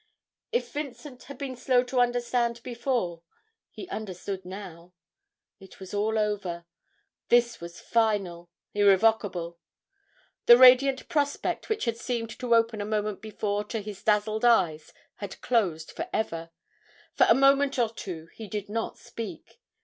If Vincent had been slow to understand before, he understood now. It was all over; this was final, irrevocable. The radiant prospect which had seemed to open a moment before to his dazzled eyes had closed for ever. For a moment or two he did not speak.